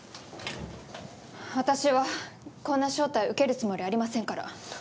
私はこんな招待受けるつもりありませんから。